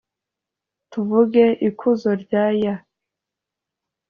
tuvuge ikuzo rya yah